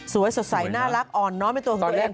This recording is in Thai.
สดใสน่ารักอ่อนน้อมเป็นตัวของตัวเอง